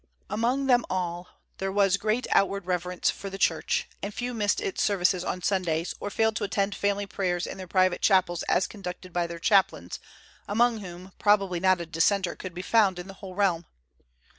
Among them all there was great outward reverence for the Church, and few missed its services on Sundays, or failed to attend family prayers in their private chapels as conducted by their chaplains, among whom probably not a Dissenter could be found in the whole realm.